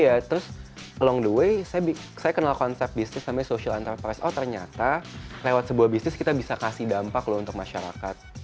iya terus along the way saya kenal konsep bisnis namanya social enterprise oh ternyata lewat sebuah bisnis kita bisa kasih dampak loh untuk masyarakat